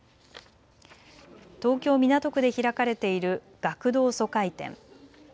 東京港区で開かれている学童疎開展。